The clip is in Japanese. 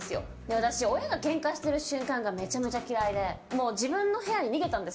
私、親がケンカしてる瞬間がめちゃめちゃ嫌いで自分の部屋に逃げたんです。